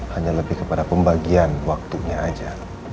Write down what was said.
hanya lebih kepada pembagian waktunya aja